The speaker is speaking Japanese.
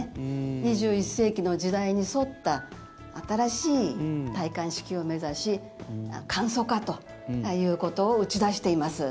２１世紀の時代に沿った新しい戴冠式を目指し簡素化ということを打ち出しています。